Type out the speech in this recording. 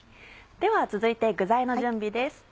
では続いて具材の準備です。